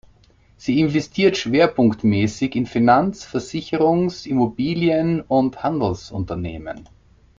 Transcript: Sie investiert schwerpunktmäßig in Finanz-, Versicherungs-, Immobilien- und Handelsunternehmen.